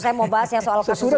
saya mau bahas ya soal kasus hukum